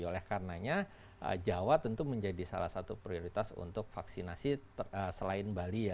oleh karenanya jawa tentu menjadi salah satu prioritas untuk vaksinasi selain bali ya